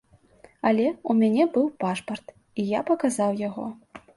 Але ў мяне быў пашпарт, і я паказаў яго.